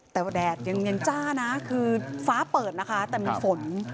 แต่ว่าแดดยังจ้านะคือฟ้าเปิดนะคะแต่มีฝน